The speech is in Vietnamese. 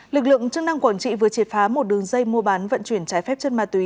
lực lượng chức năng quản trị vừa triệt phá một đường dây mua bán vận chuyển trái phép chất ma túy